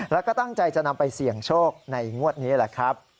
แล้วก็ตั้งใจจะนำไปเสี่ยงโชคในงวดนี้แหละครับ